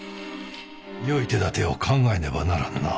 よい手だてを考えねばならぬな。